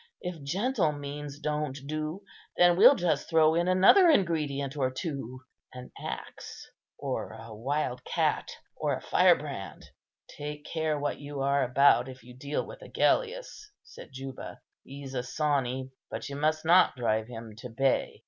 If gentle means don't do, then we'll just throw in another ingredient or two: an axe, or a wild cat, or a firebrand." "Take care what you are about, if you deal with Agellius," said Juba. "He's a sawney, but you must not drive him to bay.